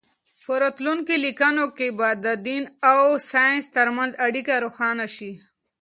په راتلونکو لیکنو کې به د دین او ساینس ترمنځ اړیکه روښانه شي.